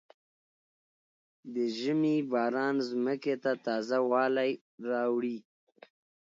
د ژمي باران ځمکې ته تازه والی راوړي.